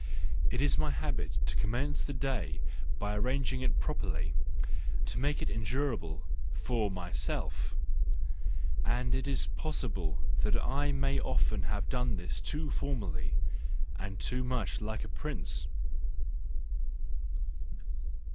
it is my habit to commence the day by arranging it properly, to make it endurable for myself and it is possible that I may often have done this too formally, and too much like a prince.